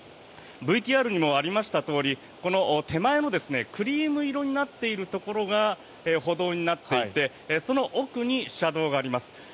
ＶＴＲにもありましたとおりこの手前のクリーム色になっているところが歩道になっていてその奥に車道があります。